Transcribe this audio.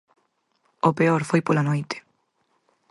O peor foi pola noite.